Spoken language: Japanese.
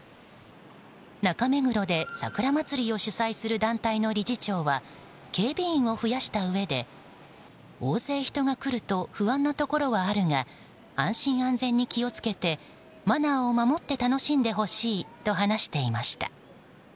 中目黒で桜まつりを主催する団体の理事長は警備員を増やしたうえで大勢、人が来ると不安なところはあるが安心・安全に気を付けてマナーを守って楽しんでほしいと話していました。